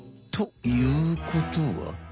ということは。